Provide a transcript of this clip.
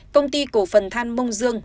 công ty cổ phần than mông dương